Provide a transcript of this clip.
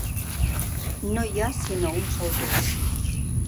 No hi ha sinó un sol Déu.